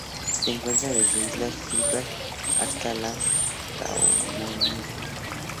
Se encuentra desde las Islas Gilbert hasta las Tuamotu.